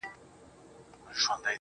د هارون حکیمي دا دوهمه شعري مجموعه ده